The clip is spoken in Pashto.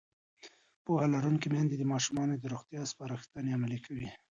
پوهه لرونکې میندې د ماشومانو د روغتیا سپارښتنې عملي کوي.